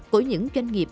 của những doanh nghiệp